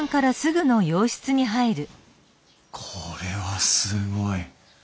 これはすごい。